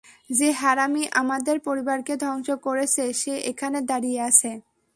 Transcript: যে হারামি আমাদের পরিবারকে ধ্বংস করেছে সে এখানে দাঁড়িয়ে আছে।